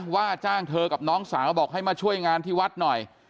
ว่าจ้างเธอกับน้องสาวบอกให้มาช่วยงานที่วัดหน่อย